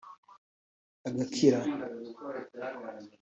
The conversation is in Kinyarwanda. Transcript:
agakira